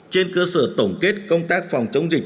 trên cơ sở tổng kết công tác phòng chống dịch